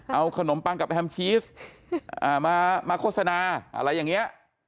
เอาขนมปังกับแฮมชีสมาโฆษณาอะไรอย่างนี้